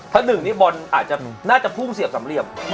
ถ้า๑นี่บอลน่าจะพุ่งเสียบสำเรียบ